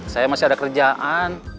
saya masih ada kerjaan